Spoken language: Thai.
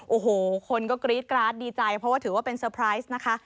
โอ้โหคนก็กรี๊ดกราดดีใจเพราะว่าถือว่าเป็นเซอร์ไพรส์นะคะ